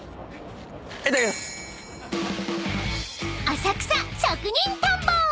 ［浅草職人探訪！］